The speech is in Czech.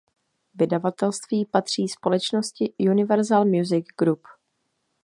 Vydavatelství patří společnosti Universal Music Group.